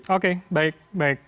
oke baik baik